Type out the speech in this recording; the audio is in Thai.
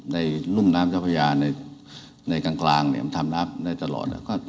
ในรุ่นน้ำเจ้าพระยาในกลางทำน้ำได้ตลอด